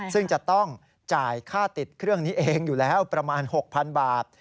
ซึ่งจะต้องจ่ายค่าติดเครื่องนี้เองอยู่แล้วประมาณ๖๐๐๐บาท